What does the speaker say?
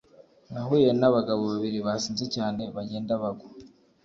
Nahuye na abagabo babiri basinze cyane bajyenda bagwa